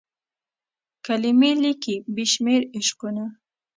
کلمې لیکي بې شمیر عشقونه